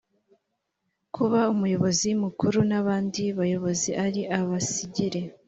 kuba umuyobozi mukuru n’abandi bayobozi ari abasigire